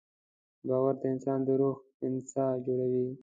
باور د انسان د روح هندسه جوړوي.